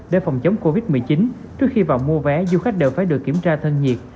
để phòng chống covid một mươi chín trước khi vào mua vé du khách đều phải được kiểm tra thân nhiệt